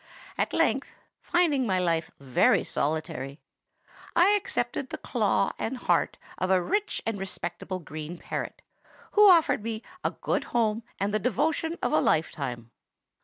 At length, finding my life very solitary, I accepted the claw and heart of a rich and respectable green parrot, who offered me a good home and the devotion of a life time.